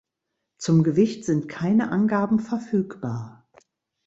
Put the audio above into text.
Zum Gewicht sind keine Angaben verfügbar.